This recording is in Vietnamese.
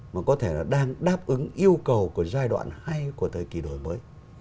mà có thể là đang đáp ứng yêu cầu của giai đoạn hay của thời kỳ đổi mới